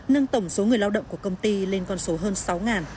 nâng tổng số người lao động của công ty lên con số hơn